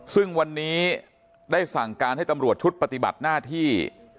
ซึ่งวันนี้ได้สั่งการให้ตำรวจชุดปฏิบัติหน้าที่